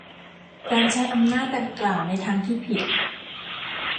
การใช้อำนาจดังกล่าวในทางที่ผิด